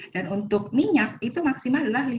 dan untuk minyak itu maksimal adalah